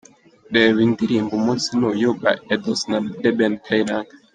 Reba indirimbo Umunsi Ni Uyu By Edouce na Ben Kayiranga.